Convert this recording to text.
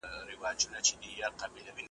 په ویښه او په خوب مي دا یو نوم پر زړه اورېږي `